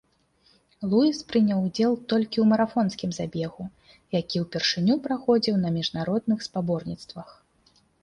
Луіс прыняў удзел толькі ў марафонскім забегу, які ўпершыню праходзіў на міжнародных спаборніцтвах.